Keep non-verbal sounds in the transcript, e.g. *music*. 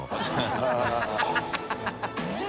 ハハハ *laughs*